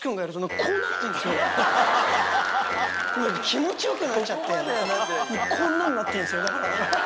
気持ち良くなっちゃってこんなんなってんすよ。